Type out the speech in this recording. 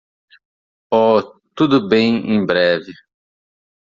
Oh, tudo bem em breve.